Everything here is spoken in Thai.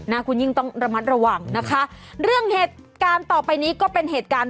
คุณยิ่งต้องระมัดระวังนะคะเรื่องเหตุการณ์ต่อไปนี้ก็เป็นเหตุการณ์